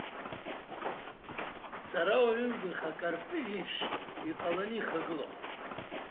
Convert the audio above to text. Дҵарауаҩымкәа, ихы акарпыжә еиԥш иҟаланы ихагылоуп!